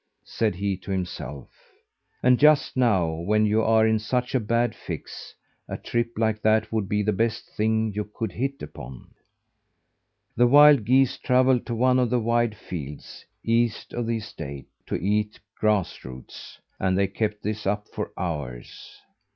said he to himself. "And just now, when you are in such a bad fix, a trip like that would be the best thing you could hit upon." The wild geese travelled to one of the wide fields, east of the estate, to eat grass roots, and they kept this up for hours.